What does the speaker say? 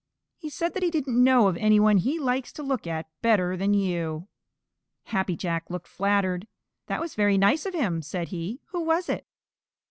He said that he didn't know of any one he likes to look at better than you." Happy Jack looked flattered. "That was very nice of him," said he. "Who was it?"